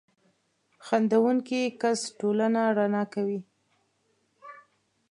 • خندېدونکی کس ټولنه رڼا کوي.